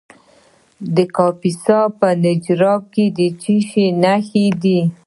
د کاپیسا په نجراب کې د څه شي نښې دي؟